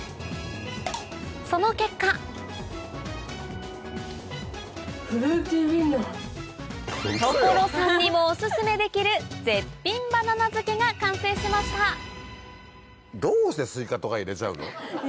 その結果所さんにもオススメできる絶品バナナ漬けが完成しましたどうしてスイカとか入れちゃうの？